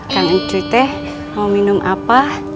kang encuy teh mau minum apa